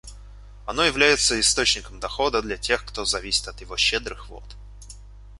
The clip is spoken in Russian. Оно является источником дохода для тех, кто зависит от его щедрых вод.